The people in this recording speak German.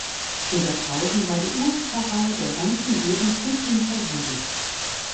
Ebertshausen war die Urpfarrei der ganzen Gegend bis hinter Suhl.